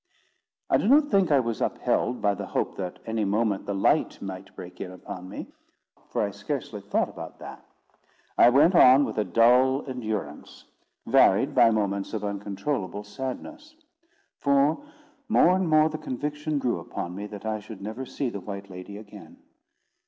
I do not think I was upheld by the hope that any moment the light might break in upon me; for I scarcely thought about that. I went on with a dull endurance, varied by moments of uncontrollable sadness; for more and more the conviction grew upon me that I should never see the white lady again.